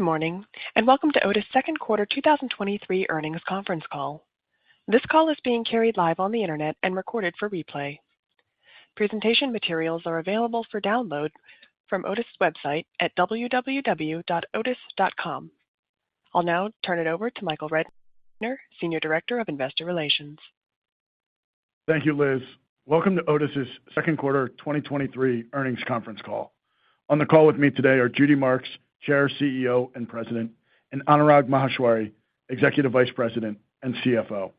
Good morning, and welcome to Otis' 2nd quarter 2023 earnings conference call. This call is being carried live on the internet and recorded for replay. Presentation materials are available for download from Otis website at www.otis.com. I'll now turn it over to Michael Rednor, Senior Director of Investor Relations. Thank you, Liz. Welcome to Otis' 2Q 2023 earnings conference call. On the call with me today are Judy Marks, Chair, CEO, and President, and Anurag Maheshwari, Executive Vice President and CFO.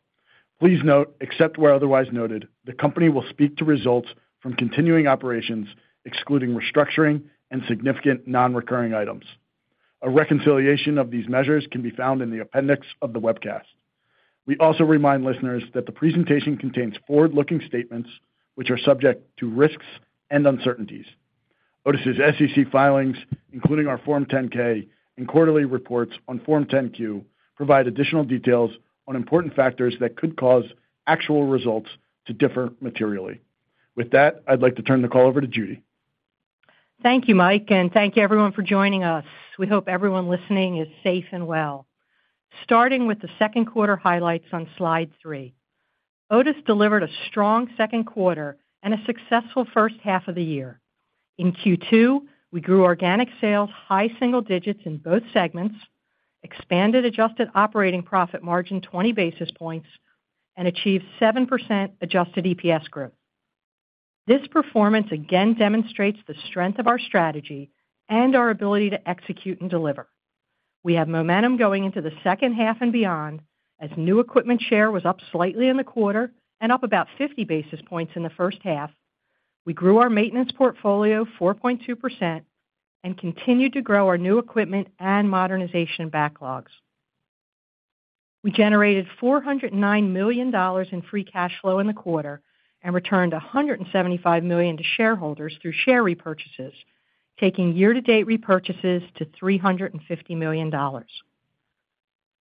Please note, except where otherwise noted, the company will speak to results from continuing operations, excluding restructuring and significant non-recurring items. A reconciliation of these measures can be found in the appendix of the webcast. We also remind listeners that the presentation contains forward-looking statements, which are subject to risks and uncertainties. Otis' SEC filings, including our Form 10-K and quarterly reports on Form 10-Q, provide additional details on important factors that could cause actual results to differ materially. With that, I'd like to turn the call over to Judy. Thank you, Mike, and thank you everyone for joining us. We hope everyone listening is safe and well. Starting with the second quarter highlights on slide 3. Otis delivered a strong second quarter and a successful first half of the year. In Q2, we grew organic sales high single digits in both segments, expanded adjusted operating profit margin 20 basis points, and achieved 7% adjusted EPS growth. This performance again demonstrates the strength of our strategy and our ability to execute and deliver. We have momentum going into the second half and beyond, as new equipment share was up slightly in the quarter and up about 50 basis points in the first half. We grew our maintenance portfolio 4.2% and continued to grow our new equipment and modernization backlogs. We generated $409 million in free cash flow in the quarter and returned $175 million to shareholders through share repurchases, taking year-to-date repurchases to $350 million.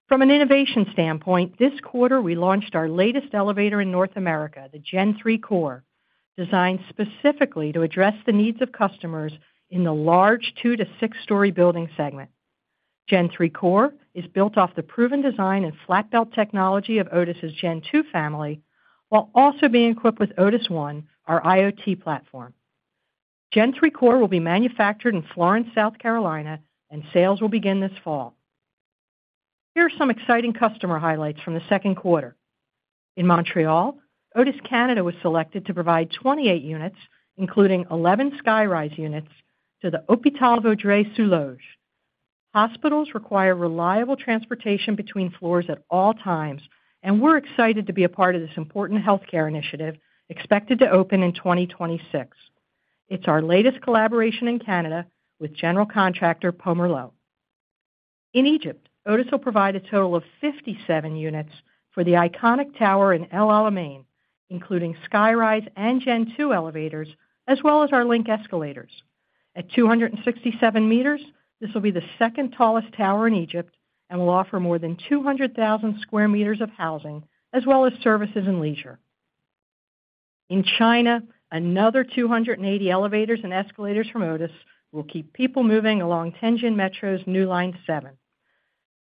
From an innovation standpoint, this quarter, we launched our latest elevator in North America, the Gen3 Core, designed specifically to address the needs of customers in the large 2 to 6 story building segment. Gen3 Core is built off the proven design and flat belt technology of Otis' Gen2 family, while also being equipped with Otis ONE, our IoT platform. Gen3 Core will be manufactured in Florence, South Carolina, and sales will begin this fall. Here are some exciting customer highlights from the second quarter. In Montreal, Otis Canada was selected to provide 28 units, including 11 SkyRise units to the Hôpital Vaudreuil-Soulanges. Hospitals require reliable transportation between floors at all times. We're excited to be a part of this important healthcare initiative, expected to open in 2026. It's our latest collaboration in Canada with general contractor, Pomerleau. In Egypt, Otis will provide a total of 57 units for the iconic tower in El Alamein, including SkyRise and Gen2 elevators, as well as our Link escalators. At 267 meters, this will be the second tallest tower in Egypt and will offer more than 200,000 square meters of housing as well as services and leisure. In China, another 280 elevators and escalators from Otis will keep people moving along Tianjin Metro's new Line 7.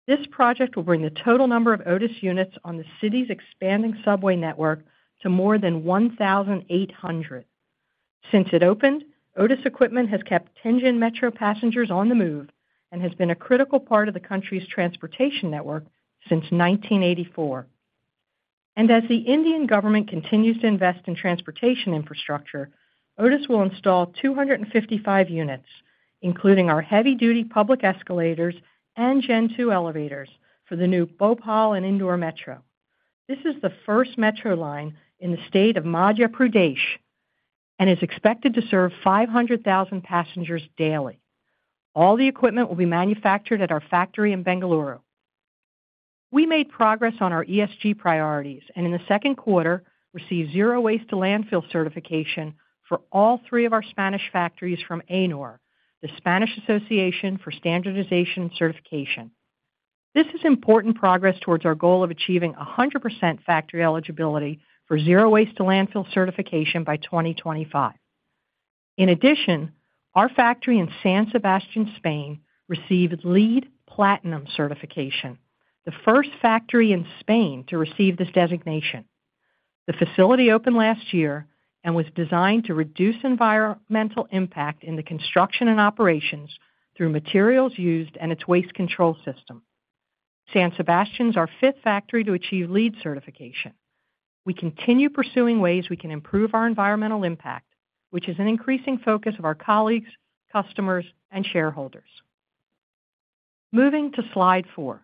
This project will bring the total number of Otis units on the city's expanding subway network to more than 1,800. Since it opened, Tianjin Metro equipment has kept passengers on the move and has been a critical part of the country's transportation network since 1984. As the Indian government continues to invest in transportation infrastructure, Otis will install 255 units, including our heavy-duty public escalators and Gen2 elevators for the new Bhopal and Indore Metro. This is the first metro line in the state of Madhya Pradesh, and is expected to serve 500,000 passengers daily. All the equipment will be manufactured at our factory in Bengaluru. We made progress on our ESG priorities, and in the second quarter, received zero waste to landfill certification for all three of our Spanish factories from AENOR, the Spanish Association for Standardization and Certification. This is important progress towards our goal of achieving 100% factory eligibility for zero waste to landfill certification by 2025. Our factory in San Sebastian, Spain, received LEED Platinum certification, the first factory in Spain to receive this designation. The facility opened last year and was designed to reduce environmental impact in the construction and operations through materials used and its waste control system. San Sebastian is our fifth factory to achieve LEED certification. We continue pursuing ways we can improve our environmental impact, which is an increasing focus of our colleagues, customers, and shareholders. Moving to slide 4,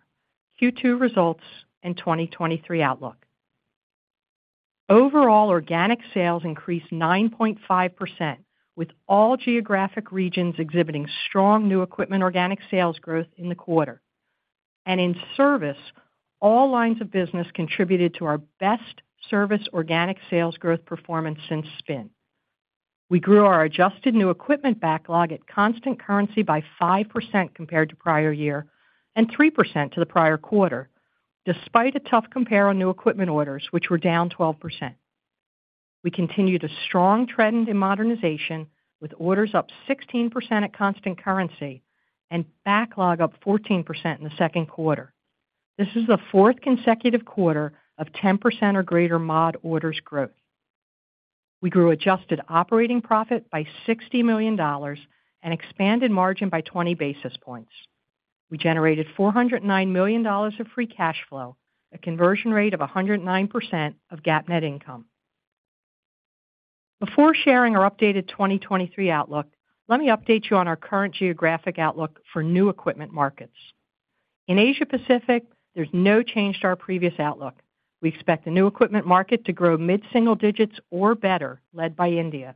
Q2 results and 2023 outlook. Overall, organic sales increased 9.5%, with all geographic regions exhibiting strong new equipment organic sales growth in the quarter. In service, all lines of business contributed to our best service organic sales growth performance since spin. We grew our adjusted new equipment backlog at constant currency by 5% compared to prior year and 3% to the prior quarter, despite a tough compare on new equipment orders, which were down 12%. We continued a strong trend in modernization, with orders up 16% at constant currency and backlog up 14% in the second quarter. This is the fourth consecutive quarter of 10% or greater mod orders growth. We grew adjusted operating profit by $60 million and expanded margin by 20 basis points. We generated $409 million of free cash flow, a conversion rate of 109% of GAAP net income. Before sharing our updated 2023 outlook, let me update you on our current geographic outlook for new equipment markets. In Asia Pacific, there's no change to our previous outlook. We expect the new equipment market to grow mid-single digits or better, led by India.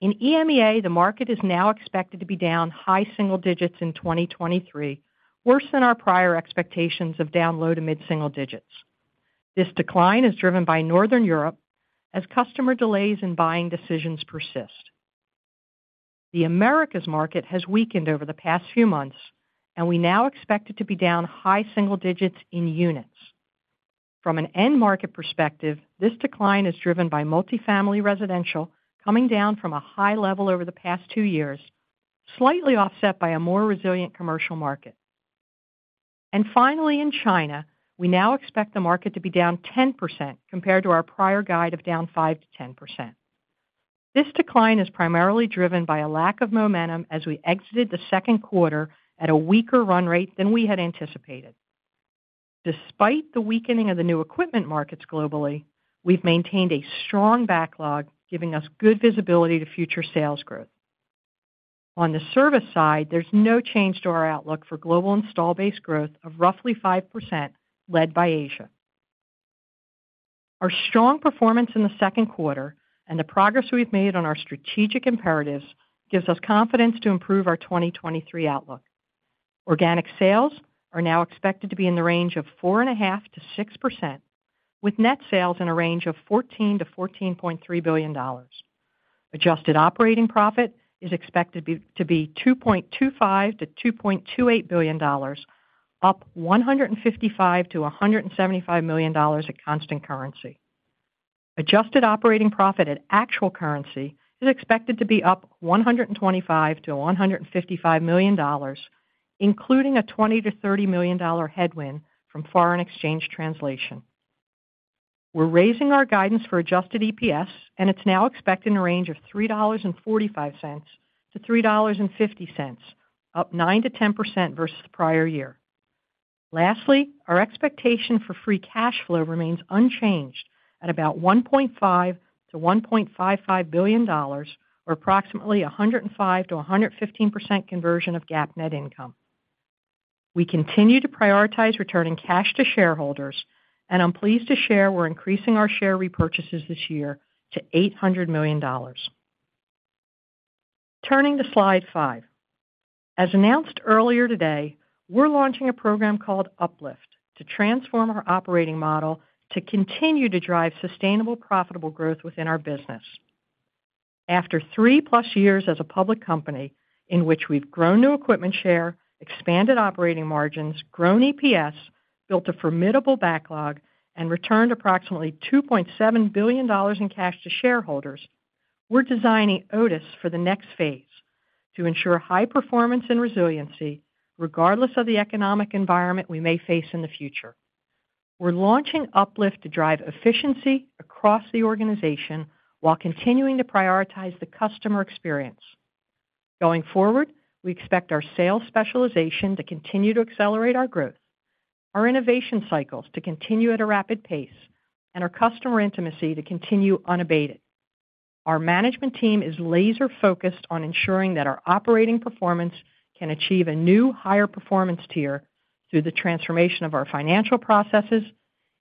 In EMEA, the market is now expected to be down high single digits in 2023, worse than our prior expectations of down low to mid-single digits. This decline is driven by Northern Europe, as customer delays in buying decisions persist. The Americas market has weakened over the past few months, and we now expect it to be down high single digits in units. From an end market perspective, this decline is driven by multifamily residential, coming down from a high level over the past two years, slightly offset by a more resilient commercial market. Finally, in China, we now expect the market to be down 10% compared to our prior guide of down 5%-10%. This decline is primarily driven by a lack of momentum as we exited the second quarter at a weaker run rate than we had anticipated. Despite the weakening of the new equipment markets globally, we've maintained a strong backlog, giving us good visibility to future sales growth. On the service side, there's no change to our outlook for global install base growth of roughly 5%, led by Asia. Our strong performance in the second quarter and the progress we've made on our strategic imperatives gives us confidence to improve our 2023 outlook. Organic sales are now expected to be in the range of 4.5%-6%, with net sales in a range of $14 billion-$14.3 billion. Adjusted operating profit is expected to be $2.25 billion-$2.28 billion, up $155 million-$175 million at constant currency. Adjusted operating profit at actual currency is expected to be up $125 million-$155 million, including a $20 million-$30 million headwind from foreign exchange translation. We're raising our guidance for adjusted EPS, It's now expected in a range of $3.45-$3.50, up 9%-10% versus the prior year. Lastly, our expectation for free cash flow remains unchanged at about $1.5 billion-$1.55 billion, or approximately 105%-115% conversion of GAAP net income. We continue to prioritize returning cash to shareholders, and I'm pleased to share we're increasing our share repurchases this year to $800 million. Turning to slide 5. As announced earlier today, we're launching a program called UpLift to transform our operating model to continue to drive sustainable, profitable growth within our business. After 3+ years as a public company, in which we've grown new equipment share, expanded operating margins, grown EPS, built a formidable backlog, and returned approximately $2.7 billion in cash to shareholders, we're designing Otis for the next phase to ensure high performance and resiliency, regardless of the economic environment we may face in the future. We're launching UpLift to drive efficiency across the organization while continuing to prioritize the customer experience. Going forward, we expect our sales specialization to continue to accelerate our growth, our innovation cycles to continue at a rapid pace, and our customer intimacy to continue unabated. Our management team is laser-focused on ensuring that our operating performance can achieve a new higher performance tier through the transformation of our financial processes,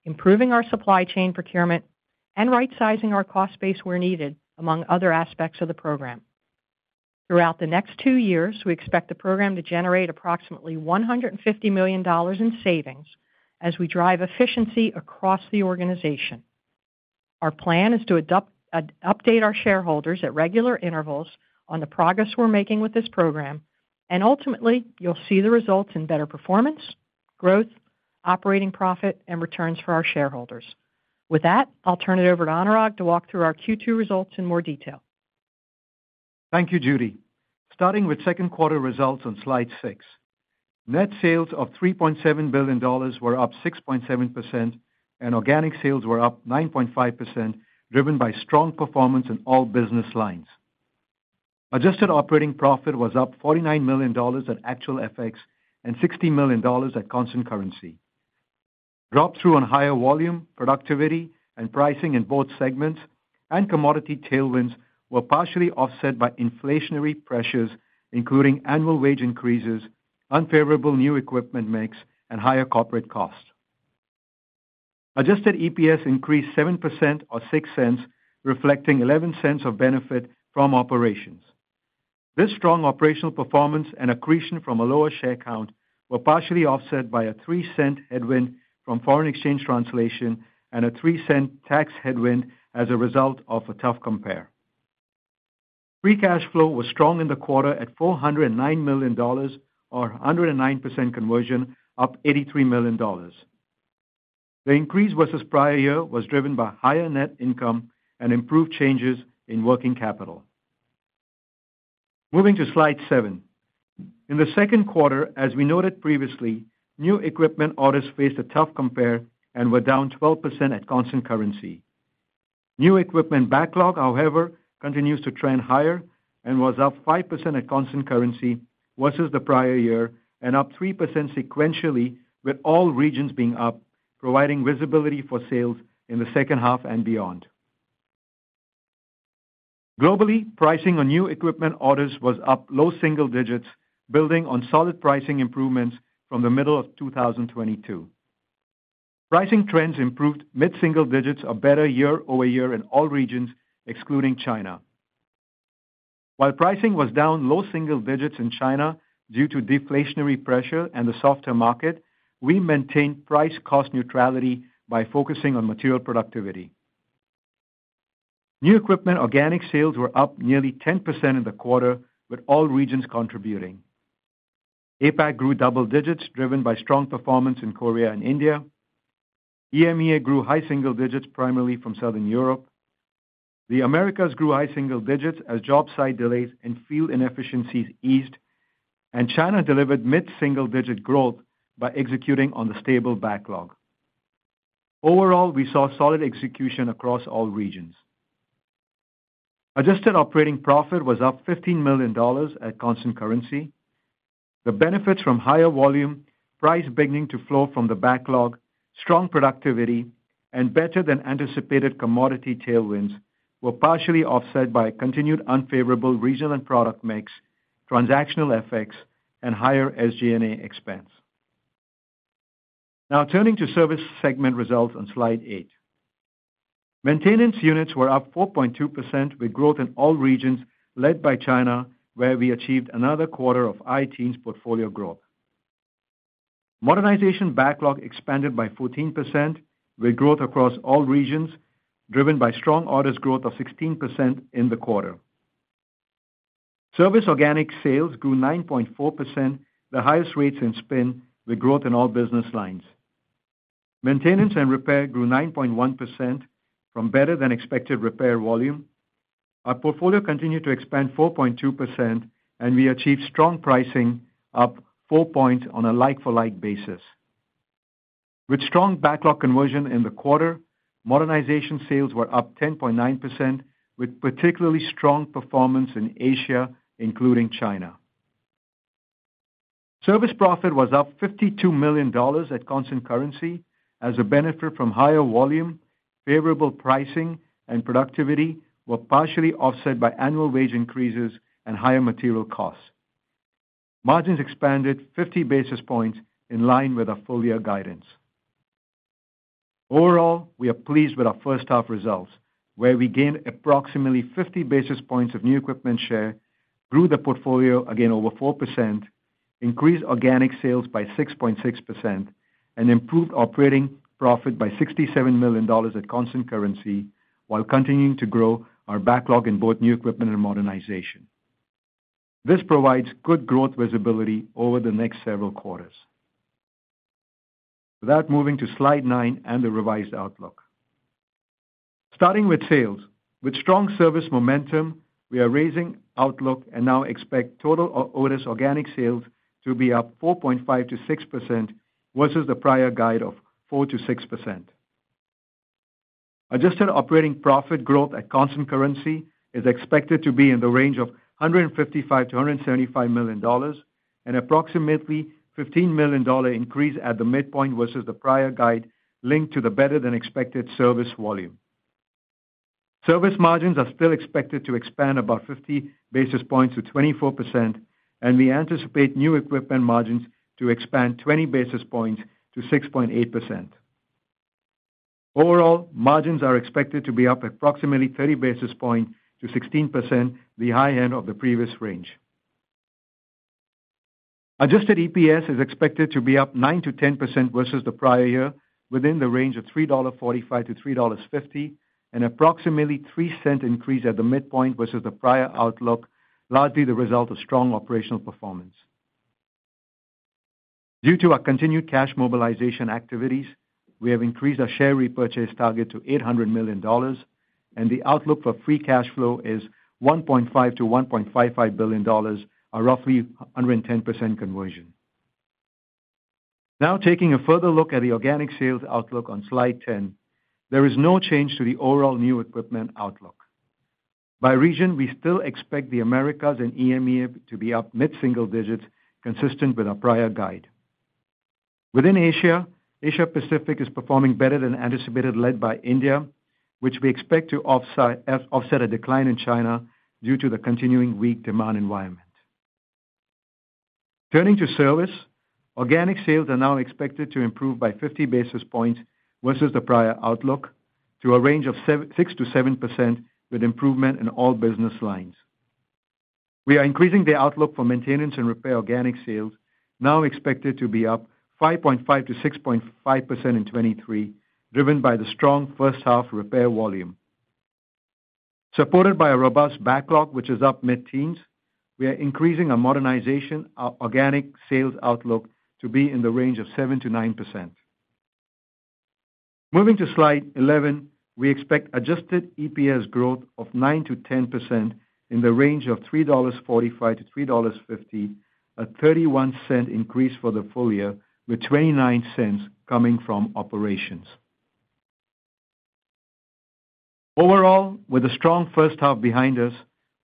improving our supply chain procurement, and right-sizing our cost base where needed, among other aspects of the program. Throughout the next two years, we expect the program to generate approximately $150 million in savings as we drive efficiency across the organization. Our plan is to update our shareholders at regular intervals on the progress we're making with this program, and ultimately, you'll see the results in better performance, growth, operating profit, and returns for our shareholders. With that, I'll turn it over to Anurag to walk through our Q2 results in more detail. Thank you, Judy. Starting with second quarter results on slide 6. Net sales of $3.7 billion were up 6.7%. Organic sales were up 9.5%, driven by strong performance in all business lines. Adjusted operating profit was up $49 million at actual FX and $60 million at constant currency. Drop-through on higher volume, productivity, and pricing in both segments and commodity tailwinds were partially offset by inflationary pressures, including annual wage increases, unfavorable new equipment mix, and higher corporate costs. Adjusted EPS increased 7% or $0.06, reflecting $0.11 of benefit from operations. This strong operational performance and accretion from a lower share count were partially offset by a $0.03 headwind from foreign exchange translation and a $0.03 tax headwind as a result of a tough compare. Free cash flow was strong in the quarter at $409 million or 109% conversion, up $83 million. The increase versus prior year was driven by higher net income and improved changes in working capital. Moving to slide 7. In the second quarter, as we noted previously, new equipment orders faced a tough compare and were down 12% at constant currency. New equipment backlog, however, continues to trend higher and was up 5% at constant currency versus the prior year and up 3% sequentially, with all regions being up, providing visibility for sales in the second half and beyond. Globally, pricing on new equipment orders was up low single digits, building on solid pricing improvements from the middle of 2022. Pricing trends improved mid-single digits or better year-over-year in all regions, excluding China. While pricing was down low single digits in China due to deflationary pressure and the softer market, we maintained price cost neutrality by focusing on material productivity. New equipment organic sales were up nearly 10% in the quarter, with all regions contributing. APAC grew double digits, driven by strong performance in Korea and India. EMEA grew high single digits, primarily from Southern Europe. The Americas grew high single digits as job site delays and field inefficiencies eased, and China delivered mid-single-digit growth by executing on the stable backlog. Overall, we saw solid execution across all regions. Adjusted operating profit was up $15 million at constant currency. The benefits from higher volume, price beginning to flow from the backlog, strong productivity, and better-than-anticipated commodity tailwinds were partially offset by a continued unfavorable regional and product mix, transactional effects, and higher SG&A expense. Turning to service segment results on Slide 8. Maintenance units were up 4.2%, with growth in all regions, led by China, where we achieved another quarter of iTeams portfolio growth. Modernization backlog expanded by 14%, with growth across all regions, driven by strong orders growth of 16% in the quarter. Service organic sales grew 9.4%, the highest rates in spin, with growth in all business lines. Maintenance and repair grew 9.1% from better-than-expected repair volume. Our portfolio continued to expand 4.2%, we achieved strong pricing, up 4 points on a like-for-like basis. With strong backlog conversion in the quarter, modernization sales were up 10.9%, with particularly strong performance in Asia, including China. Service profit was up $52 million at constant currency as a benefit from higher volume, favorable pricing, and productivity were partially offset by annual wage increases and higher material costs. Margins expanded 50 basis points in line with our full-year guidance. Overall, we are pleased with our first half results, where we gained approximately 50 basis points of new equipment share, grew the portfolio again over 4%, increased organic sales by 6.6%, and improved operating profit by $67 million at constant currency, while continuing to grow our backlog in both new equipment and modernization. This provides good growth visibility over the next several quarters. With that, moving to slide 9 and the revised outlook. Starting with sales, with strong service momentum, we are raising outlook and now expect total orders organic sales to be up 4.5%-6% versus the prior guide of 4%-6%. Adjusted operating profit growth at constant currency is expected to be in the range of $155 million-$175 million, an approximately $15 million increase at the midpoint versus the prior guide, linked to the better-than-expected service volume. Service margins are still expected to expand about 50 basis points to 24%. We anticipate new equipment margins to expand 20 basis points to 6.8%. Overall, margins are expected to be up approximately 30 basis points to 16%, the high end of the previous range. Adjusted EPS is expected to be up 9%-10% versus the prior year, within the range of $3.45-$3.50, an approximately $0.03 increase at the midpoint versus the prior outlook, largely the result of strong operational performance. Due to our continued cash mobilization activities, we have increased our share repurchase target to $800 million, and the outlook for free cash flow is $1.5 billion-$1.55 billion, a roughly 110% conversion. Taking a further look at the organic sales outlook on Slide 10, there is no change to the overall new equipment outlook. By region, we still expect the Americas and EMEA to be up mid-single digits, consistent with our prior guide. Within Asia Pacific is performing better than anticipated, led by India, which we expect to offset a decline in China due to the continuing weak demand environment. Turning to service, organic sales are now expected to improve by 50 basis points versus the prior outlook, to a range of 6%-7%, with improvement in all business lines. We are increasing the outlook for maintenance and repair organic sales, now expected to be up 5.5%-6.5% in 2023, driven by the strong first half repair volume. Supported by a robust backlog, which is up mid-teens, we are increasing our modernization, our organic sales outlook to be in the range of 7%-9%. Moving to slide 11, we expect adjusted EPS growth of 9%-10% in the range of $3.45-$3.50, a $0.31 increase for the full year, with $0.29 coming from operations. Overall, with a strong first half behind us,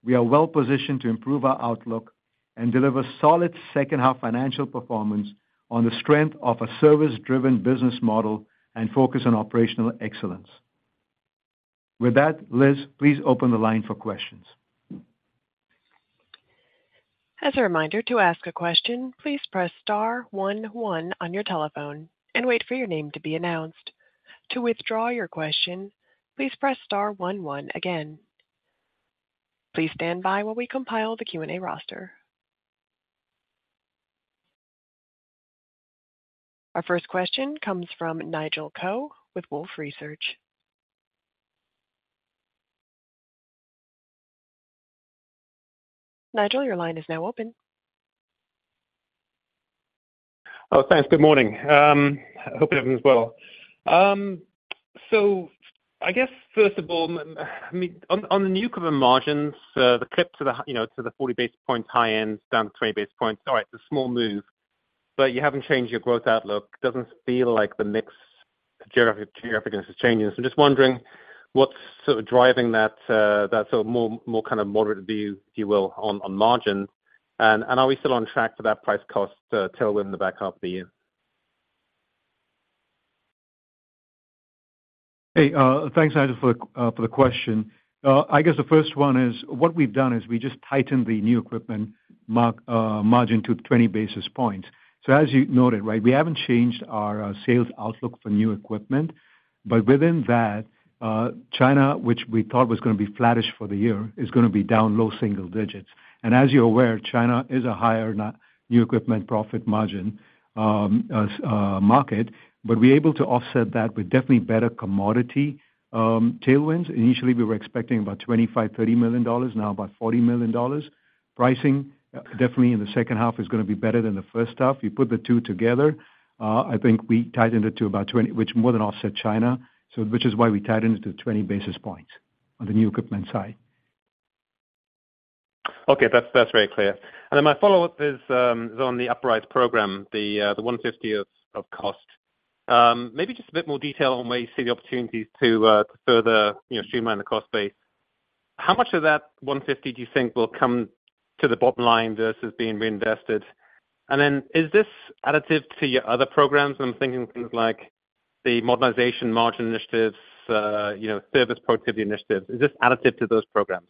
we are well positioned to improve our outlook and deliver solid second half financial performance on the strength of a service-driven business model and focus on operational excellence. With that, Liz, please open the line for questions. As a reminder, to ask a question, please press star one on your telephone and wait for your name to be announced. To withdraw your question, please press star one again. Please stand by while we compile the Q&A roster. Our first question comes from Nigel Coe with Wolfe Research. Nigel, your line is now open. Oh, thanks. Good morning. Hope everyone's well. I guess, first of all, I mean, on the new cover margins, the clip to the, you know, to the 40 basis points, high end down to 20 basis points. All right, it's a small move, but you haven't changed your growth outlook. Doesn't feel like the mix geographic, geographically is changing. just wondering what's sort of driving that sort of more, more kind of moderate view, if you will, on margin? are we still on track for that price cost, tailwind in the back half of the year? Thanks, Nigel, for the question. I guess the first one is, what we've done is we just tightened the new equipment margin to 20 basis points. As you noted, right, we haven't changed our sales outlook for new equipment. Within that, China, which we thought was gonna be flattish for the year, is gonna be down low single digits. As you're aware, China is a higher new equipment profit margin as market. We're able to offset that with definitely better commodity tailwinds. Initially, we were expecting about $25 million-$30 million, now about $40 million. Pricing, definitely in the second half is gonna be better than the first half. You put the two together, I think we tightened it to about 20, which more than offset China. Which is why we tightened it to 20 basis points on the new equipment side. Okay. That's very clear. My follow-up is on the UpLift program, the $150 of cost. Maybe just a bit more detail on where you see the opportunities to further, you know, streamline the cost base. How much of that $150 do you think will come to the bottom line versus being reinvested? Is this additive to your other programs? I'm thinking things like the modernization margin initiatives, you know, service productivity initiatives. Is this additive to those programs?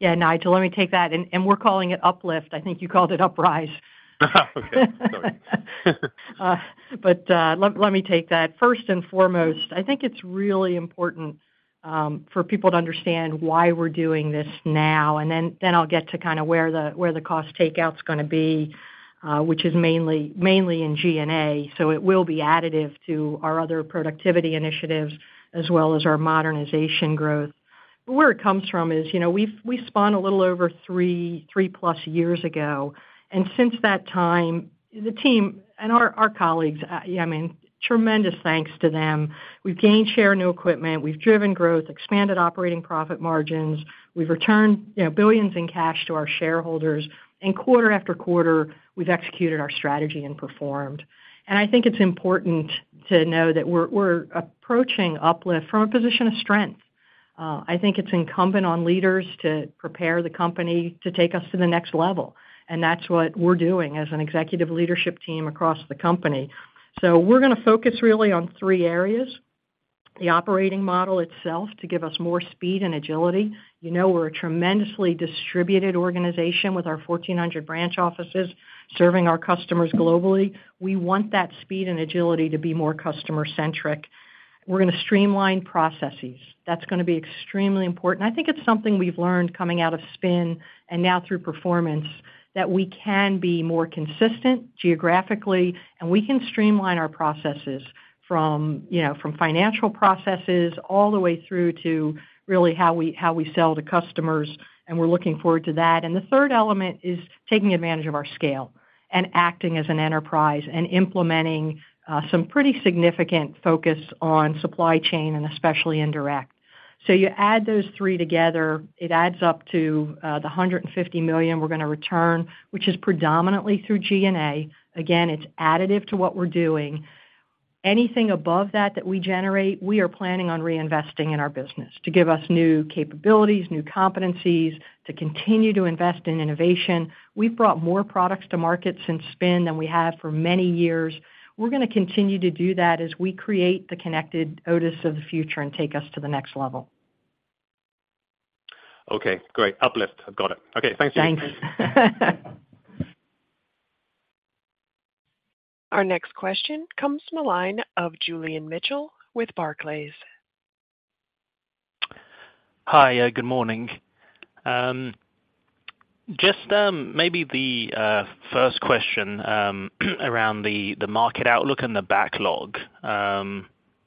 Yeah, Nigel, let me take that. We're calling it UpLift. I think you called it Uprise. Okay. Sorry. Let me take that. First and foremost, I think it's really important for people to understand why we're doing this now, then I'll get to kind of where the cost takeout's gonna be, which is mainly in G&A. It will be additive to our other productivity initiatives, as well as our modernization growth. Where it comes from is, you know, we spun a little over 3-plus years ago, and since that time, the team and our colleagues, I mean, tremendous thanks to them. We've gained share new equipment, we've driven growth, expanded operating profit margins, we've returned, you know, billions in cash to our shareholders, and quarter after quarter, we've executed our strategy and performed. I think it's important to know that we're approaching UpLift from a position of strength. I think it's incumbent on leaders to prepare the company to take us to the next level, and that's what we're doing as an executive leadership team across the company. We're gonna focus really on three areas: the operating model itself, to give us more speed and agility. You know, we're a tremendously distributed organization with our 1,400 branch offices, serving our customers globally. We want that speed and agility to be more customer-centric. We're gonna streamline processes. That's gonna be extremely important. I think it's something we've learned coming out of Spin and now through performance, that we can be more consistent geographically, and we can streamline our processes from, you know, from financial processes, all the way through to really how we sell to customers, and we're looking forward to that. The third element is taking advantage of our scale and acting as an enterprise and implementing some pretty significant focus on supply chain and especially indirect. You add those three together, it adds up to the $150 million we're gonna return, which is predominantly through G&A. Again, it's additive to what we're doing. Anything above that we generate, we are planning on reinvesting in our business to give us new capabilities, new competencies, to continue to invest in innovation. We've brought more products to market since spin than we have for many years. We're gonna continue to do that as we create the connected Otis of the future and take us to the next level. Okay, great. UpLift. Got it. Okay, thanks, Gina. Thanks. Our next question comes from the line of Julian Mitchell with Barclays. Hi, good morning. Just maybe the first question around the market outlook and the backlog.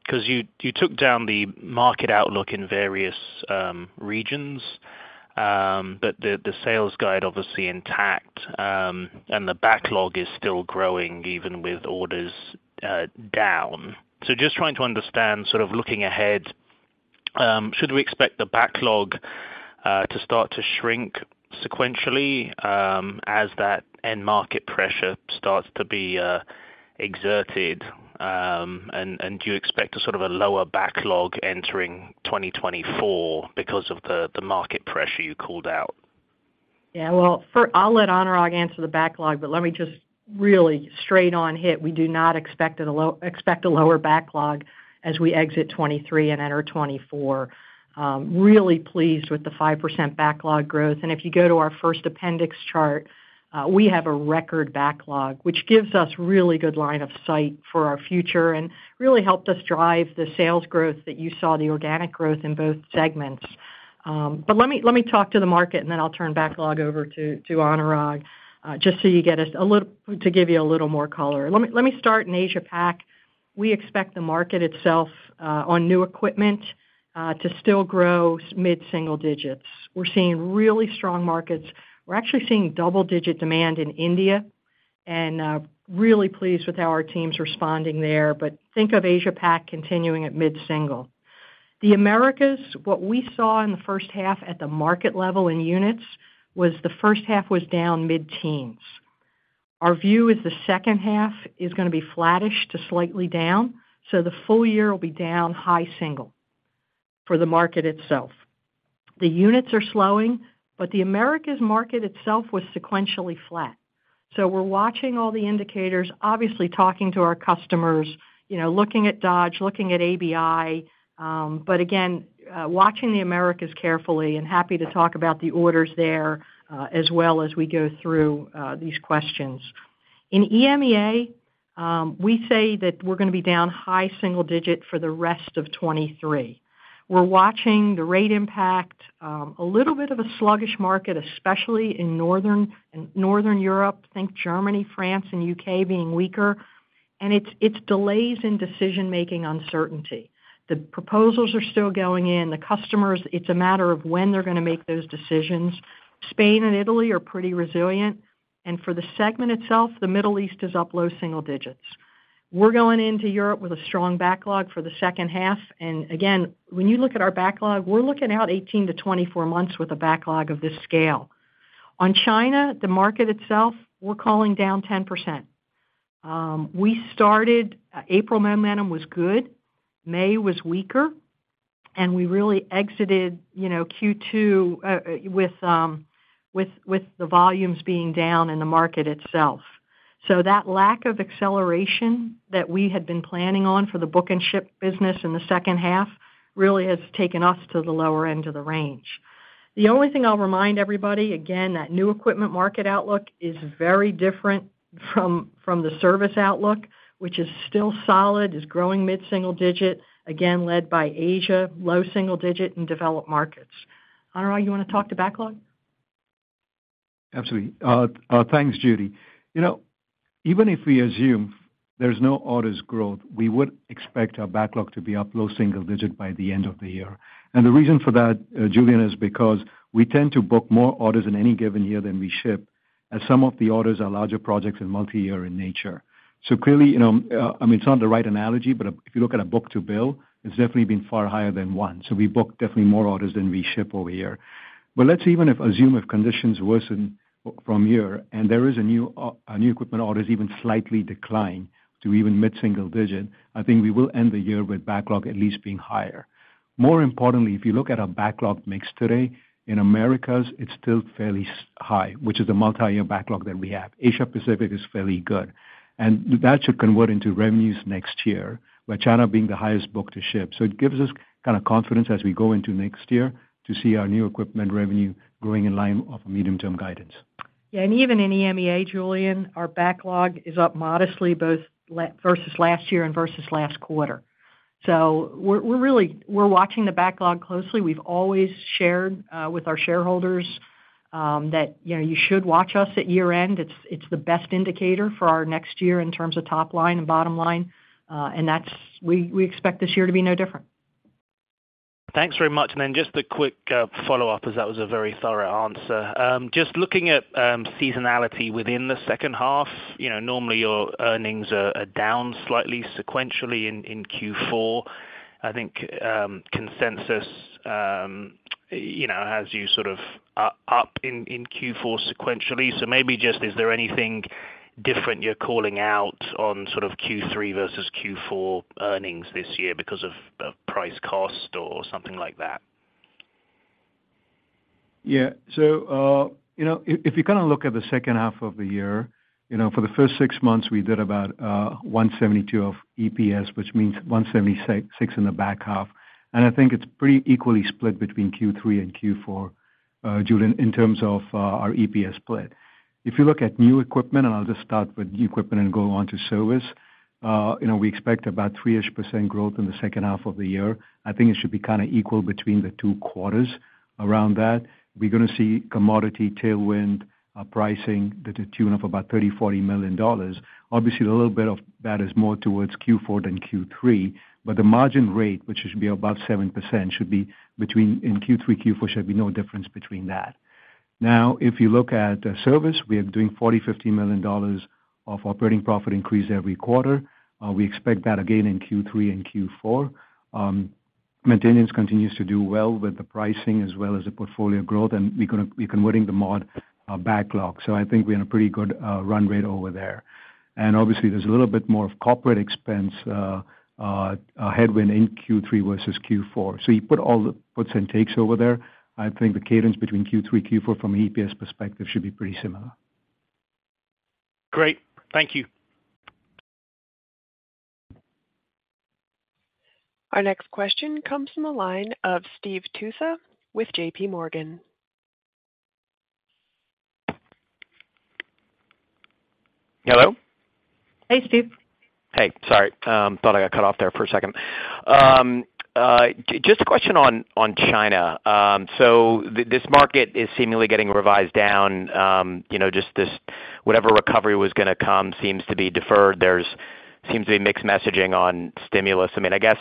Because you took down the market outlook in various regions, but the sales guide obviously intact, and the backlog is still growing even with orders down. Just trying to understand, sort of looking ahead, should we expect the backlog to start to shrink sequentially as that end market pressure starts to be exerted? And do you expect a sort of a lower backlog entering 2024 because of the market pressure you called out? Well, first, I'll let Anurag answer the backlog, let me just really straight on hit. We do not expect a lower backlog as we exit 2023 and enter 2024. Really pleased with the 5% backlog growth. If you go to our first appendix chart, we have a record backlog, which gives us really good line of sight for our future and really helped us drive the sales growth that you saw, the organic growth in both segments. Let me talk to the market, and then I'll turn backlog over to Anurag to give you a little more color. Let me start in Asia Pac. We expect the market itself on new equipment to still grow mid-single digits. We're seeing really strong markets. We're actually seeing double-digit demand in India, and really pleased with how our team's responding there. Think of Asia Pac continuing at mid-single. The Americas, what we saw in the first half at the market level in units, was the first half was down mid-teens. Our view is the second half is gonna be flattish to slightly down, so the full year will be down high single for the market itself. The units are slowing, but the Americas market itself was sequentially flat. We're watching all the indicators, obviously talking to our customers, you know, looking at Dodge, looking at ABI, but again, watching the Americas carefully and happy to talk about the orders there, as well as we go through these questions. In EMEA, we say that we're gonna be down high single digit for the rest of 2023. We're watching the rate impact, a little bit of a sluggish market, especially in Northern Europe. Think Germany, France and U.K. being weaker, it's delays in decision-making uncertainty. The proposals are still going in. The customers, it's a matter of when they're gonna make those decisions. Spain and Italy are pretty resilient, for the segment itself, the Middle East is up low single digits. We're going into Europe with a strong backlog for the second half. Again, when you look at our backlog, we're looking out 18-24 months with a backlog of this scale. China, the market itself, we're calling down 10%. We started, April momentum was good, May was weaker, we really exited, you know, Q2, with the volumes being down in the market itself. That lack of acceleration that we had been planning on for the book and ship business in the second half really has taken us to the lower end of the range. The only thing I'll remind everybody, again, that new equipment market outlook is very different from the service outlook, which is still solid, is growing mid-single digit, again, led by Asia, low single digit in developed markets. Anurag, you wanna talk to backlog? Absolutely. Thanks, Judy. You know, even if we assume there's no orders growth, we would expect our backlog to be up low single digit by the end of the year. The reason for that, Julian, is because we tend to book more orders in any given year than we ship, as some of the orders are larger projects and multi-year in nature. Clearly, you know, I mean, it's not the right analogy, but if you look at a book to bill, it's definitely been far higher than one. We book definitely more orders than we ship over here. Let's even if assume if conditions worsen from here, and there is a new equipment orders even slightly decline to even mid-single digit, I think we will end the year with backlog at least being higher. If you look at our backlog mix today, in Americas, it's still fairly high, which is a multi-year backlog that we have. Asia Pacific is fairly good, and that should convert into revenues next year, with China being the highest book to ship. It gives us kind of confidence as we go into next year to see our new equipment revenue growing in line of medium-term guidance. Yeah, even in EMEA, Julian, our backlog is up modestly, both versus last year and versus last quarter. We're really, we're watching the backlog closely. We've always shared with our shareholders that, you know, you should watch us at year-end. It's the best indicator for our next year in terms of top line and bottom line, and that's, we expect this year to be no different. Thanks very much. Just a quick follow-up, as that was a very thorough answer. Just looking at seasonality within the second half, you know, normally your earnings are down slightly sequentially in Q4. I think consensus, you know, has you sort of up in Q4 sequentially. Maybe just, is there anything different you're calling out on sort of Q3 versus Q4 earnings this year because of price cost or something like that? Yeah. you know, if you kind of look at the second half of the year, you know, for the first six months, we did about $1.72 of EPS, which means $1.76 in the back half. I think it's pretty equally split between Q3 and Q4, Julian, in terms of our EPS split. If you look at new equipment, and I'll just start with new equipment and go on to service, you know, we expect about 3%-ish growth in the second half of the year. I think it should be kind of equal between the two quarters around that. We're going to see commodity tailwind, pricing to the tune of about $30 million-$40 million. Obviously, a little bit of that is more towards Q4 than Q3, but the margin rate, which should be about 7%, should be between, in Q3, Q4, should be no difference between that. Now, if you look at service, we are doing $40 million-$50 million of operating profit increase every quarter. We expect that again in Q3 and Q4. Maintenance continues to do well with the pricing as well as the portfolio growth, and we're converting the mod backlog. I think we're in a pretty good run rate over there. Obviously, there's a little bit more of corporate expense, a headwind in Q3 versus Q4. You put all the puts and takes over there, I think the cadence between Q3, Q4 from an EPS perspective should be pretty similar. Great. Thank you. Our next question comes from the line of Steve Tusa with JPMorgan. Hello? Hey, Steve. Hey, sorry. thought I got cut off there for a second. just a question on China. This market is seemingly getting revised down, you know, just this, whatever recovery was going to come seems to be deferred. There's seems to be mixed messaging on stimulus. I mean, I guess,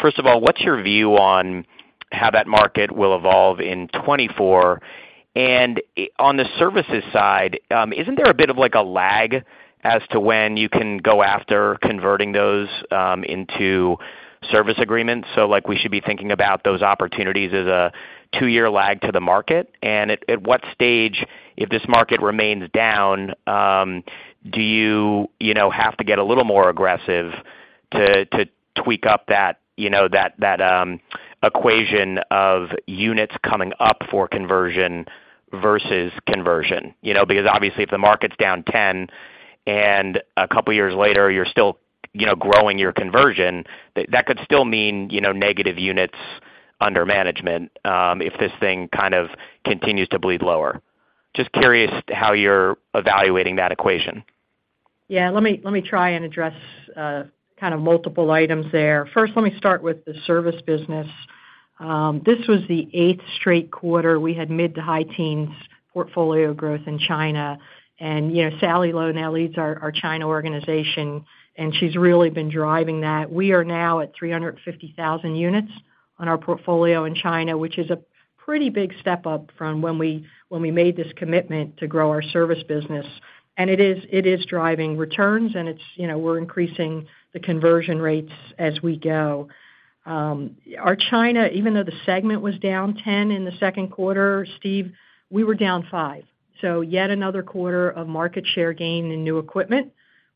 first of all, what's your view on how that market will evolve in 2024? On the services side, isn't there a bit of like, a lag as to when you can go after converting those, into service agreements? Like, we should be thinking about those opportunities as a 2-year lag to the market. At what stage, if this market remains down, do you know, have to get a little more aggressive to tweak up that, you know, that equation of units coming up for conversion versus conversion? You know, because obviously, if the market's down 10 and a couple of years later, you're still, you know, growing your conversion, that could still mean, you know, negative units under management, if this thing kind of continues to bleed lower. Just curious how you're evaluating that equation? Let me try and address kind of multiple items there. First, let me start with the service business. This was the eighth straight quarter we had mid-to-high teens portfolio growth in China. You know, Sally Loh now leads our China organization, and she's really been driving that. We are now at 350,000 units on our portfolio in China, which is a pretty big step up from when we made this commitment to grow our service business. It is driving returns, and it's, you know, we're increasing the conversion rates as we go. Our China, even though the segment was down 10% in the second quarter, Steve, we were down 5%. Yet another quarter of market share gain in new equipment,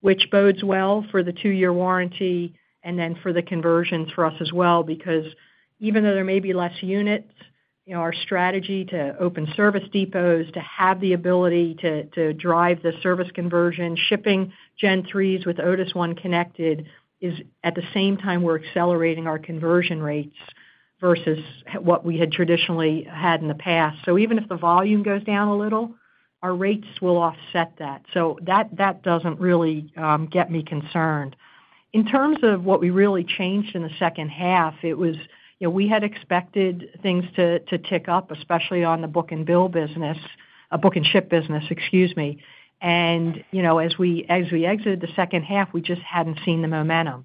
which bodes well for the 2-year warranty and then for the conversion for us as well, because even though there may be less units, you know, our strategy to open service depots, to have the ability to drive the service conversion, shipping Gen3s with Otis ONE connected, is at the same time we're accelerating our conversion rates versus what we had traditionally had in the past. Even if the volume goes down a little, our rates will offset that. That doesn't really get me concerned. In terms of what we really changed in the 2nd half, it was, you know, we had expected things to tick up, especially on the book and bill business, book and ship business, excuse me. You know, as we exited the second half, we just hadn't seen the momentum.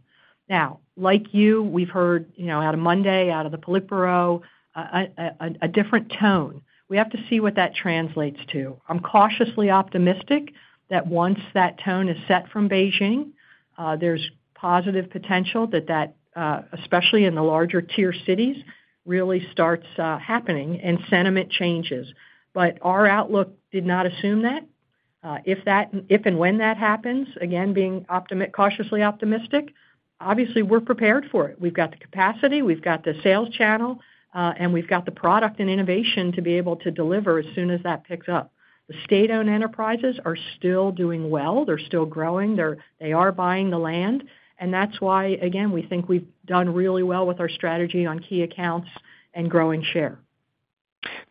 Now, like you, we've heard, you know, out of Monday, out of the Politburo, a different tone. We have to see what that translates to. I'm cautiously optimistic that once that tone is set from Beijing, there's positive potential that especially in the larger tier cities, really starts happening and sentiment changes. Our outlook did not assume that. If and when that happens, again, being cautiously optimistic, obviously, we're prepared for it. We've got the capacity, we've got the sales channel, and we've got the product and innovation to be able to deliver as soon as that picks up. The state-owned enterprises are still doing well. They're still growing, they are buying the land. That's why, again, we think we've done really well with our strategy on key accounts and growing share.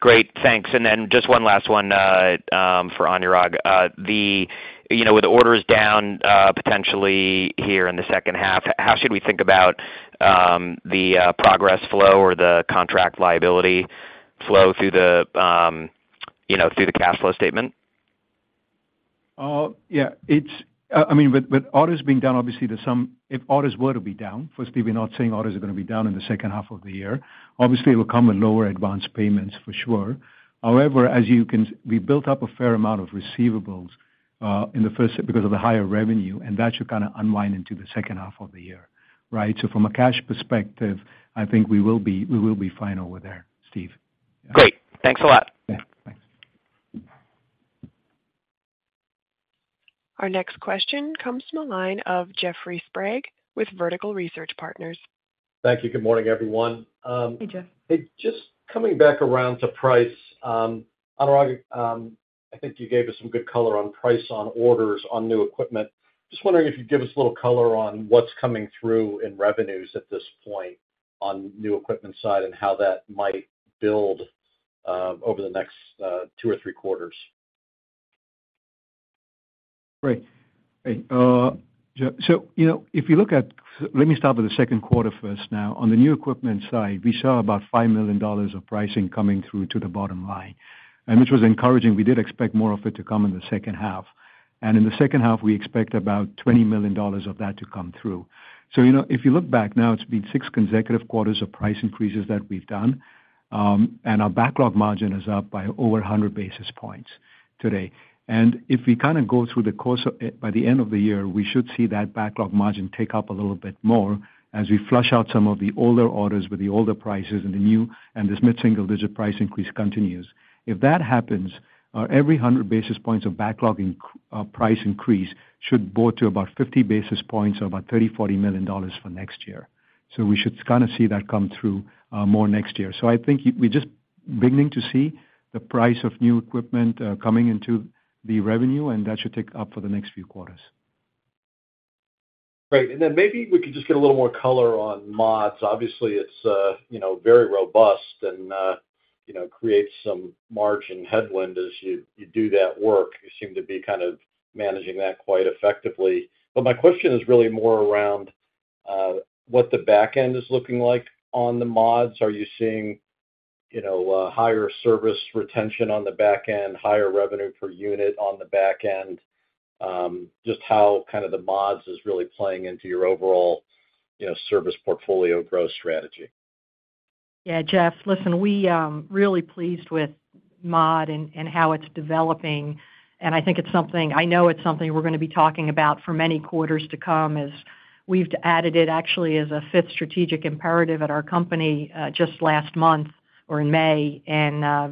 Great, thanks. Just one last one, for Anurag. The, you know, with orders down, potentially here in the second half, how should we think about, the, progress flow or the contract liability flow through the, you know, through the cash flow statement? Yeah, I mean, with orders being down, obviously, there's some if orders were to be down, firstly, we're not saying orders are gonna be down in the second half of the year. Obviously, it will come with lower advanced payments for sure. However, as you can we built up a fair amount of receivables in the first half because of the higher revenue, and that should kind of unwind into the second half of the year, right? From a cash perspective, I think we will be fine over there, Steve. Great. Thanks a lot. Yeah, thanks. Our next question comes from the line of Jeffrey Sprague, with Vertical Research Partners. Thank you. Good morning, everyone. Hey, Jeff. Hey, just coming back around to price, Anurag, I think you gave us some good color on price on orders on new equipment. Just wondering if you'd give us a little color on what's coming through in revenues at this point on new equipment side and how that might build over the next two or three quarters? Great! Hey, you know, if you look at Let me start with the second quarter first. On the new equipment side, we saw about $5 million of pricing coming through to the bottom line, which was encouraging. We did expect more of it to come in the second half. In the second half, we expect about $20 million of that to come through. You know, if you look back now, it's been 6 consecutive quarters of price increases that we've done, our backlog margin is up by over 100 basis points today. If we kind of go through the course of, by the end of the year, we should see that backlog margin tick up a little bit more as we flush out some of the older orders with the older prices and the new, and this mid-single-digit price increase continues. If that happens, our every 100 basis points of backlog price increase should go to about 50 basis points, or about $30 million-$40 million for next year. We should kind of see that come through, more next year. I think we're just beginning to see the price of new equipment, coming into the revenue, and that should tick up for the next few quarters. Great. Maybe we could just get a little more color on mods. Obviously, it's, you know, very robust and, you know, creates some margin headwind as you do that work. You seem to be kind of managing that quite effectively. My question is really more around what the back end is looking like on the mods. Are you seeing, you know, higher service retention on the back end, higher revenue per unit on the back end? Just how kind of the mods is really playing into your overall, you know, service portfolio growth strategy. Jeff, listen, we are really pleased with mod and how it's developing. I think it's something we're gonna be talking about for many quarters to come, as we've added it actually, as a fifth strategic imperative at our company, just last month or in May.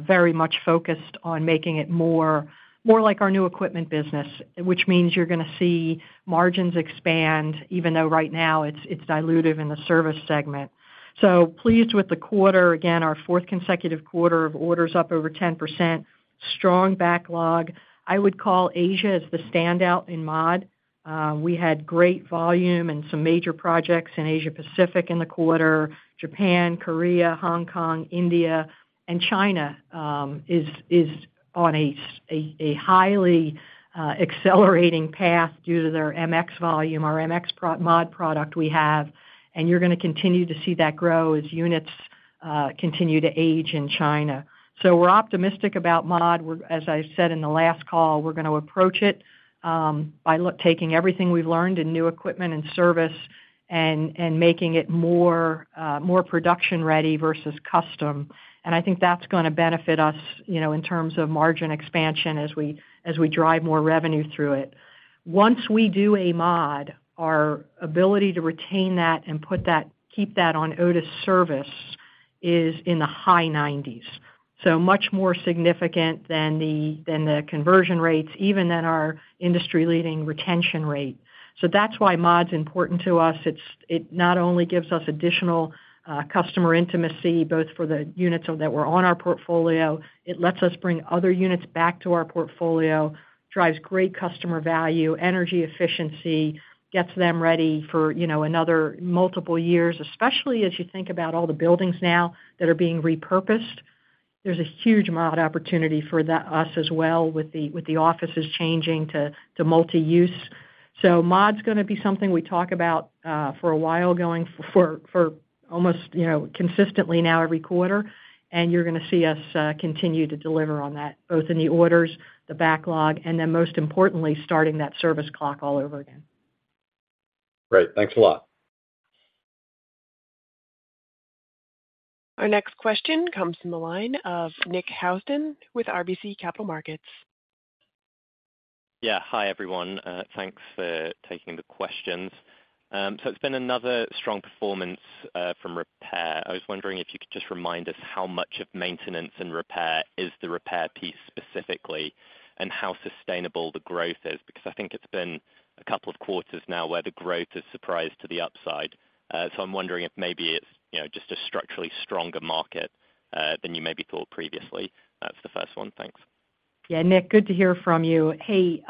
Very much focused on making it more like our new equipment business. You're gonna see margins expand, even though right now it's dilutive in the service segment. Pleased with the quarter, again, our fourth consecutive quarter of order's up over 10%. Strong backlog. I would call Asia as the standout in mod. We had great volume and some major projects in Asia Pacific in the quarter, Japan, Korea, Hong Kong, India, and China is on a highly accelerating path due to their MX volume, our MX mod product we have, and you're gonna continue to see that grow as units continue to age in China. We're optimistic about mod. As I said in the last call, we're gonna approach it by taking everything we've learned in new equipment and service and making it more production-ready versus custom. I think that's gonna benefit us, you know, in terms of margin expansion as we drive more revenue through it. Once we do a mod, our ability to retain that and keep that on Otis service is in the high nineties. Much more significant than the conversion rates, even than our industry-leading retention rate. That's why mod's important to us. It not only gives us additional customer intimacy, both for the units that were on our portfolio, it lets us bring other units back to our portfolio, drives great customer value, energy efficiency, gets them ready for, you know, another multiple years, especially as you think about all the buildings now that are being repurposed. There's a huge mod opportunity for us as well, with the, with the offices changing to multi-use. Mod's gonna be something we talk about for a while, going for almost, you know, consistently now every quarter, and you're gonna see us continue to deliver on that, both in the orders, the backlog, and then most importantly, starting that service clock all over again. Great. Thanks a lot. Our next question comes from the line of Nick Housden with RBC Capital Markets. Hi, everyone. thanks for taking the questions. It's been another strong performance from repair. I was wondering if you could just remind us how much of maintenance and repair is the repair piece specifically, and how sustainable the growth is? I think it's been a couple of quarters now where the growth is surprised to the upside. I'm wondering if maybe it's, you know, just a structurally stronger market, than you maybe thought previously. That's the first one. Thanks. Yeah, Nick, good to hear from you. Hey,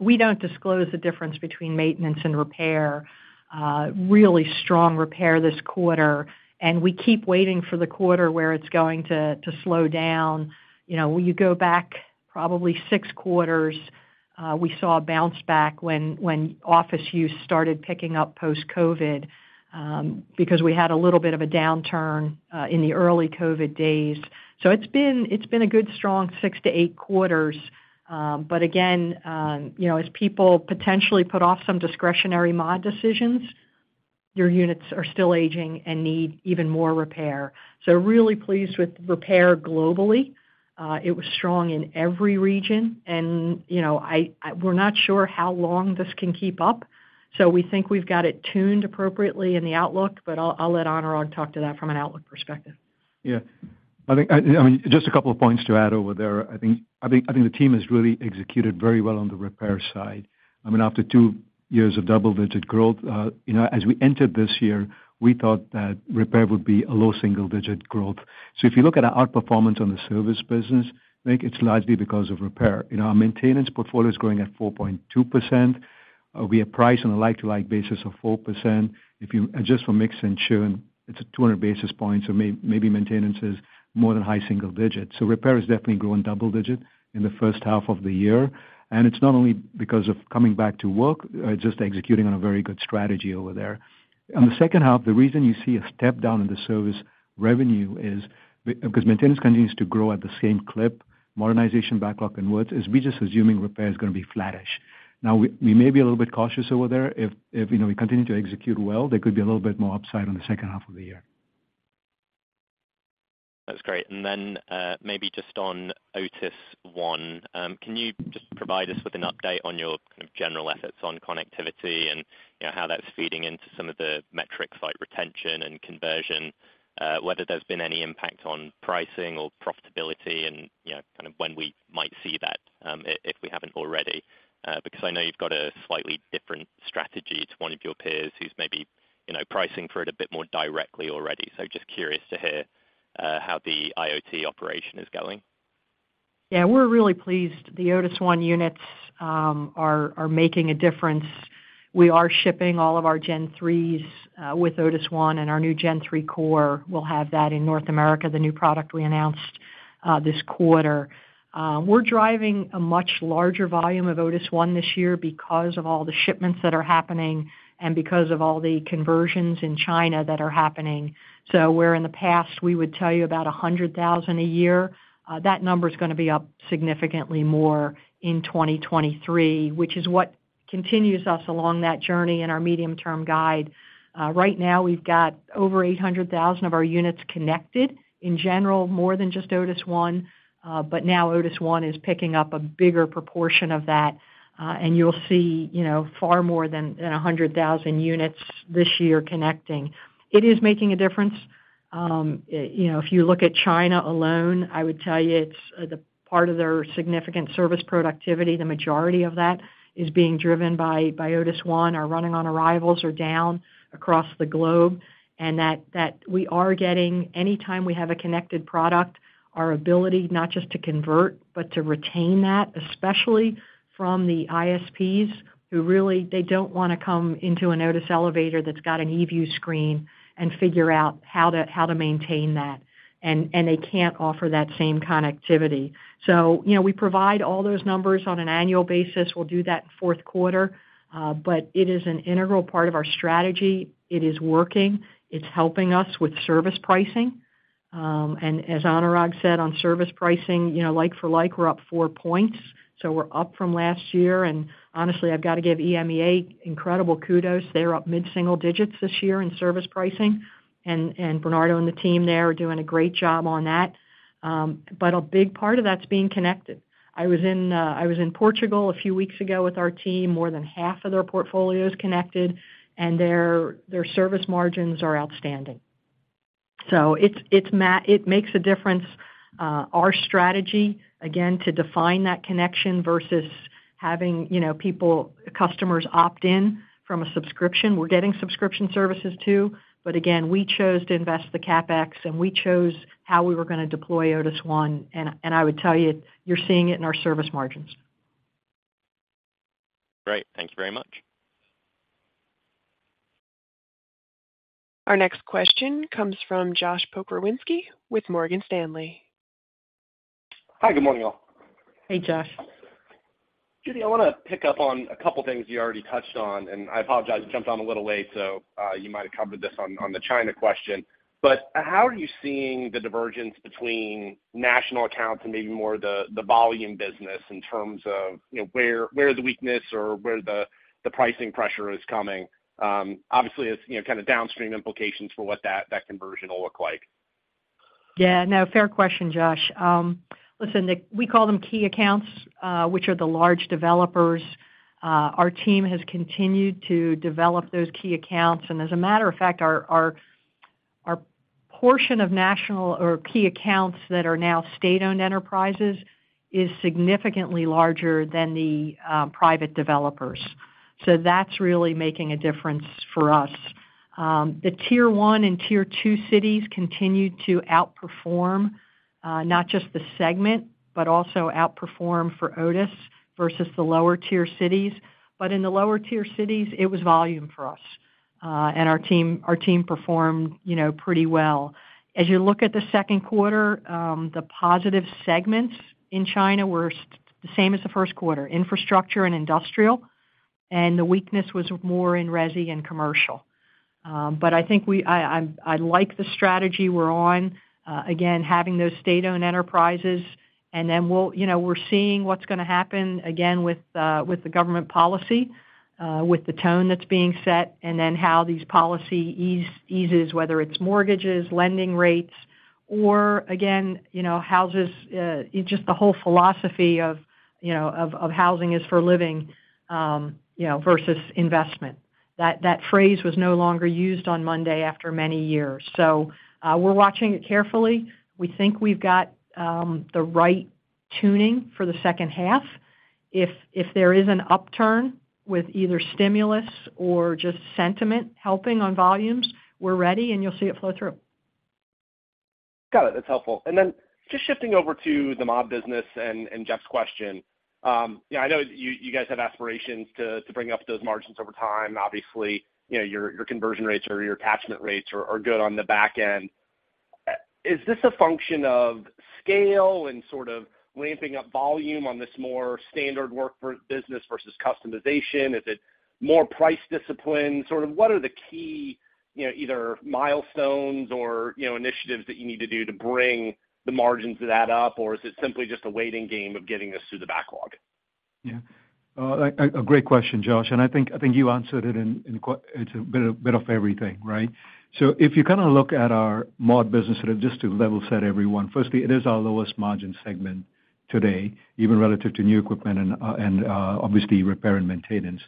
we don't disclose the difference between maintenance and repair. Really strong repair this quarter, and we keep waiting for the quarter where it's going to slow down. You know, when you go back probably six quarters, we saw a bounce back when office use started picking up post-COVID, because we had a little bit of a downturn in the early COVID days. It's been a good strong six to eight quarters. But again, you know, as people potentially put off some discretionary mod decisions, your units are still aging and need even more repair. Really pleased with repair globally. It was strong in every region, and, you know, we're not sure how long this can keep up, so we think we've got it tuned appropriately in the outlook, but I'll let Anurag talk to that from an outlook perspective. Yeah, I think, I mean, just a couple of points to add over there. I think the team has really executed very well on the repair side. I mean, after two years of double-digit growth, you know, as we entered this year, we thought that repair would be a low single-digit growth. If you look at our outperformance on the service business, I think it's largely because of repair. You know, our maintenance portfolio is growing at 4.2%. We are priced on a like-to-like basis of 4%. If you adjust for mix and churn, it's a 200 basis points, so maybe maintenance is more than high single digits. Repair is definitely growing double-digit in the first half of the year, and it's not only because of coming back to work, just executing on a very good strategy over there. The reason you see a step down in the service revenue is because maintenance continues to grow at the same clip, modernization, backlog and woods, is we're just assuming repair is going to be flattish. We may be a little bit cautious over there. If, you know, we continue to execute well, there could be a little bit more upside on the second half of the year. That's great. Maybe just on Otis ONE, can you just provide us with an update on your kind of general efforts on connectivity and, you know, how that's feeding into some of the metrics like retention and conversion? Whether there's been any impact on pricing or profitability, and, you know, kind of when we might see that, if we haven't already. Because I know you've got a slightly different strategy to one of your peers who's maybe, you know, pricing for it a bit more directly already. Just curious to hear how the IoT operation is going. Yeah, we're really pleased. The Otis ONE units are making a difference. We are shipping all of our Gen3s with Otis ONE, and our new Gen3 Core will have that in North America, the new product we announced this quarter. We're driving a much larger volume of Otis ONE this year because of all the shipments that are happening and because of all the conversions in China that are happening. Where in the past we would tell you about 100,000 a year, that number is gonna be up significantly more in 2023, which is what continues us along that journey in our medium-term guide. Right now, we've got over 800,000 of our units connected, in general, more than just Otis ONE. Now Otis ONE is picking up a bigger proportion of that, and you'll see, you know, far more than 100,000 units this year connecting. It is making a difference. You know, if you look at China alone, I would tell you, it's the part of their significant service productivity, the majority of that is being driven by Otis ONE. Our running on arrivals are down across the globe, and that we are getting anytime we have a connected product, our ability not just to convert, but to retain that, especially from the ISPs, who really, they don't wanna come into an Otis elevator that's got an eView screen and figure out how to maintain that, and they can't offer that same connectivity. You know, we provide all those numbers on an annual basis. We'll do that fourth quarter, but it is an integral part of our strategy. It is working. It's helping us with service pricing. As Anurag said, on service pricing, you know, like for like, we're up four points, so we're up from last year. Honestly, I've got to give EMEA incredible kudos. They're up mid-single digits this year in service pricing, and Bernardo and the team there are doing a great job on that. A big part of that's being connected. I was in Portugal a few weeks ago with our team. More than half of their portfolio is connected, and their service margins are outstanding. It's, it makes a difference. Our strategy, again, to define that connection versus having, you know, people, customers opt in from a subscription. We're getting subscription services, too. Again, we chose to invest the CapEx, and we chose how we were gonna deploy Otis ONE, and I would tell you're seeing it in our service margins. Great. Thank you very much. Our next question comes from Josh Pokrzywinski with Morgan Stanley. Hi, good morning, all. Hey, Josh. Judy, I want to pick up on a couple of things you already touched on, and I apologize, I jumped on a little late, so, you might have covered this on the China question. How are you seeing the divergence between national accounts and maybe more the volume business in terms of, you know, where the weakness or where the pricing pressure is coming? Obviously, it's, you know, kind of downstream implications for what that conversion will look like. No, fair question, Josh. Listen, we call them key accounts, which are the large developers. Our team has continued to develop those key accounts, and as a matter of fact, our portion of national or key accounts that are now state-owned enterprises is significantly larger than the private developers. That's really making a difference for us. The Tier 1 and Tier 2 cities continue to outperform, not just the segment, but also outperform for Otis versus the lower-tier cities. In the lower-tier cities, it was volume for us, and our team performed, you know, pretty well. As you look at the second quarter, the positive segments in China were the same as the first quarter, infrastructure and industrial, and the weakness was more in resi and commercial. I think I like the strategy we're on. Having those state-owned enterprises, and then we'll, you know, we're seeing what's gonna happen again with the government policy, with the tone that's being set, and then how these policy eases, whether it's mortgages, lending rates, or again, you know, houses, just the whole philosophy of, you know, of housing is for living, you know, versus investment. That phrase was no longer used on Monday after many years. We're watching it carefully. We think we've got the right tuning for the second half. If there is an upturn with either stimulus or just sentiment helping on volumes, we're ready, and you'll see it flow through. Got it. That's helpful. Just shifting over to the mod business and Jeff's question. Yeah, I know you guys have aspirations to bring up those margins over time. Obviously, you know, your conversion rates or your attachment rates are good on the back end. Is this a function of scale and sort of ramping up volume on this more standard work for business versus customization? Is it more price discipline? Sort of what are the key, you know, either milestones or, you know, initiatives that you need to do to bring the margins of that up? Is it simply just a waiting game of getting this through the backlog? Yeah. A great question, Josh, and I think you answered it in, it's a bit of everything, right? If you kind of look at our mod business, sort of just to level set everyone, firstly, it is our lowest margin segment today, even relative to new equipment and obviously, repair and maintenance.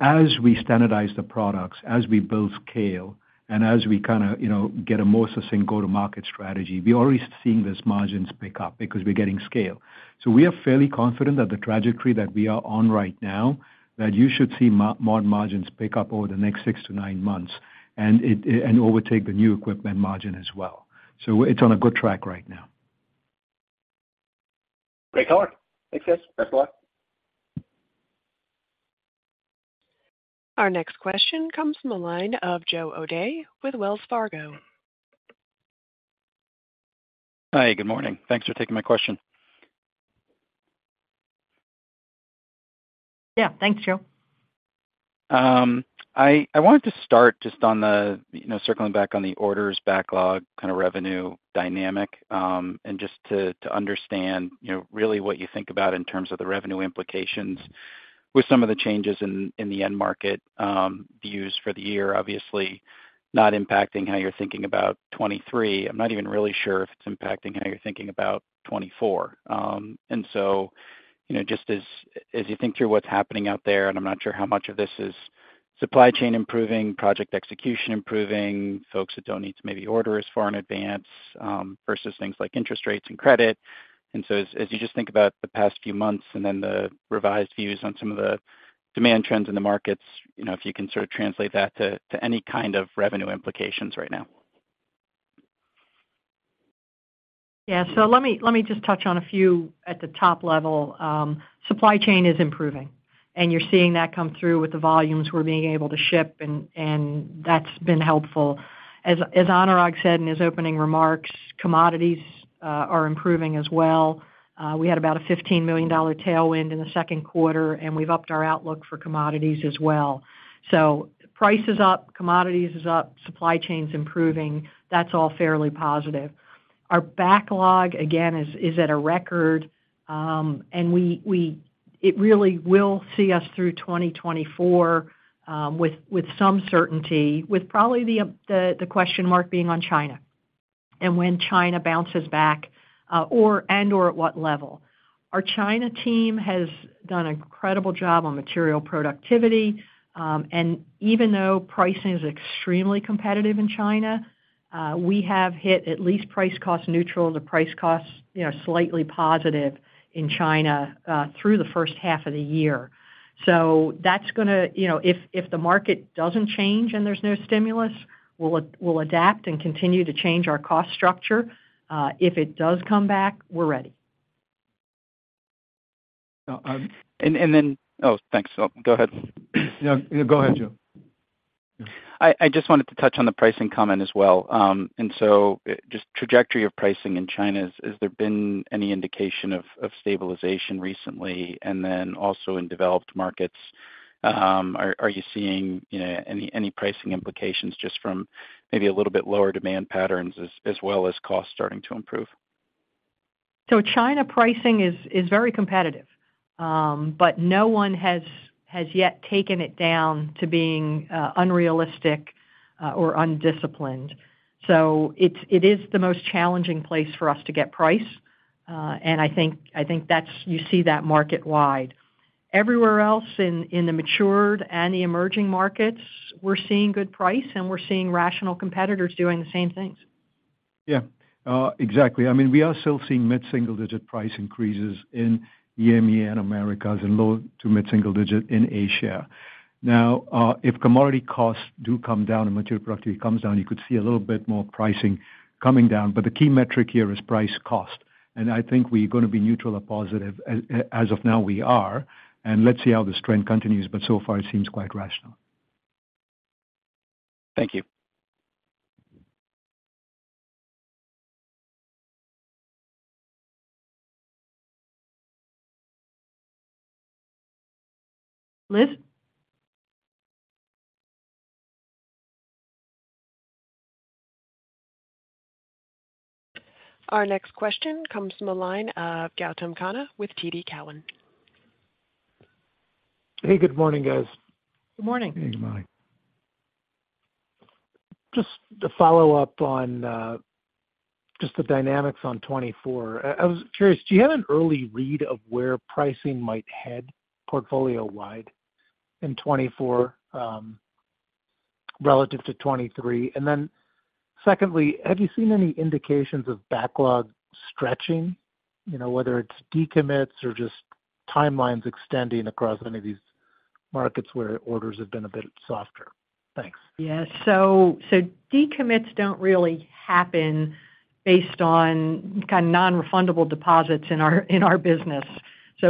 As we standardize the products, as we build scale, and as we kind of, you know, get a more succinct go-to-market strategy, we're already seeing these margins pick up because we're getting scale. We are fairly confident that the trajectory that we are on right now, that you should see mod margins pick up over the next 6-9 months, and overtake the new equipment margin as well. It's on a good track right now. Great color. Thanks, guys. Thanks a lot. Our next question comes from the line of Joe O'Dea with Wells Fargo. Hi, good morning. Thanks for taking my question. Yeah. Thanks, Joe. I wanted to start just on the, you know, circling back on the orders backlog, kind of revenue dynamic, just to understand, you know, really what you think about in terms of the revenue implications with some of the changes in the end market, views for the year, obviously not impacting how you're thinking about 2023. I'm not even really sure if it's impacting how you're thinking about 2024. You know, just as you think through what's happening out there, and I'm not sure how much of this is supply chain improving, project execution improving, folks that don't need to maybe order as far in advance, versus things like interest rates and credit. As you just think about the past few months and then the revised views on some of the demand trends in the markets, you know, if you can sort of translate that to any kind of revenue implications right now. Yeah. Let me just touch on a few at the top level. Supply chain is improving, and you're seeing that come through with the volumes we're being able to ship, and that's been helpful. As Anurag said in his opening remarks, commodities are improving as well. We had about a $15 million tailwind in the second quarter, and we've upped our outlook for commodities as well. Price is up, commodities is up, supply chain's improving. That's all fairly positive. Our backlog, again, is at a record, and we it really will see us through 2024, with some certainty, with probably the question mark being on China, and when China bounces back, or, and/or at what level. Our China team has done an incredible job on material productivity. Even though pricing is extremely competitive in China, we have hit at least price cost neutral to price costs, you know, slightly positive in China, through the first half of the year. That's gonna, you know, if the market doesn't change and there's no stimulus, we'll adapt and continue to change our cost structure. If it does come back, we're ready. No, and then... Oh, thanks. Well, go ahead. Yeah. Go ahead, Joe. I just wanted to touch on the pricing comment as well. Just trajectory of pricing in China, has there been any indication of stabilization recently? Also in developed markets, are you seeing, you know, any pricing implications just from maybe a little bit lower demand patterns as well as costs starting to improve? China pricing is very competitive, but no one has yet taken it down to being unrealistic or undisciplined. It is the most challenging place for us to get price, and I think that's, you see that market wide. Everywhere else in the matured and the emerging markets, we're seeing good price, and we're seeing rational competitors doing the same things. Exactly. I mean, we are still seeing mid-single digit price increases in EMEA and Americas, and low to mid-single digit in Asia. If commodity costs do come down and material productivity comes down, you could see a little bit more pricing coming down. The key metric here is price cost, and I think we're gonna be neutral or positive. As of now, we are, and let's see how this trend continues, but so far it seems quite rational. Thank you. Our next question comes from the line of Gautam Khanna with TD Cowen. Hey, good morning, guys. Good morning. Hey, good morning. Just to follow up on just the dynamics on 2024. I was curious, do you have an early read of where pricing might head portfolio-wide in 2024 relative to 2023? Secondly, have you seen any indications of backlog stretching? You know, whether it's decommits or just timelines extending across any of these markets where orders have been a bit softer? Thanks. Yeah. Decommits don't really happen based on kind of nonrefundable deposits in our, in our business.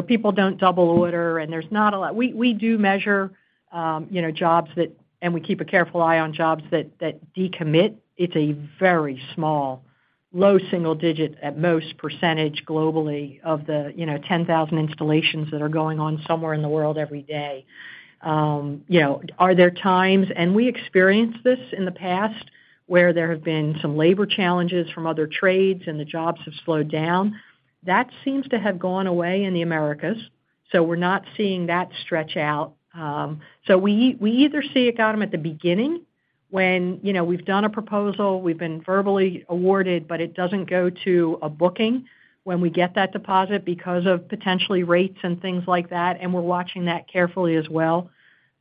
People don't double order, and there's not a lot. We do measure, you know, jobs that. We keep a careful eye on jobs that decommit. It's a very small, low single digit, at most, percentage globally of the, you know, 10,000 installations that are going on somewhere in the world every day. You know, are there times, and we experienced this in the past, where there have been some labor challenges from other trades and the jobs have slowed down. That seems to have gone away in the Americas, we're not seeing that stretch out. We either see it, Gautam, at the beginning when, you know, we've done a proposal, we've been verbally awarded, but it doesn't go to a booking when we get that deposit because of potentially rates and things like that, and we're watching that carefully as well.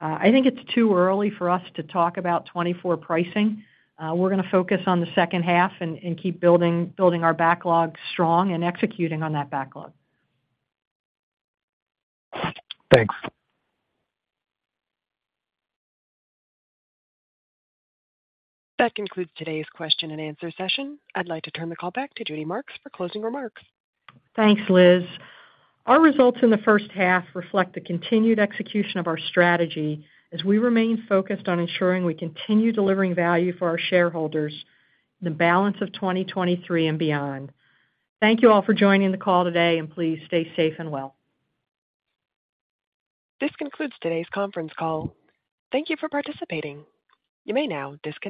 I think it's too early for us to talk about 2024 pricing. We're gonna focus on the second half and keep building our backlog strong and executing on that backlog. Thanks. That concludes today's question and answer session. I'd like to turn the call back to Judy Marks for closing remarks. Thanks, Liz. Our results in the first half reflect the continued execution of our strategy as we remain focused on ensuring we continue delivering value for our shareholders, the balance of 2023 and beyond. Thank you all for joining the call today. Please stay safe and well. This concludes today's conference call. Thank you for participating. You may now disconnect.